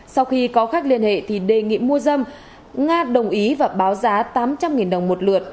sau khi có khách liên hệ thì đề nghị mua dâm nga đồng ý và báo giá tám trăm linh đồng một lượt